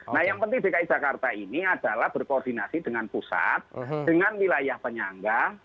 nah yang penting dki jakarta ini adalah berkoordinasi dengan pusat dengan wilayah penyangga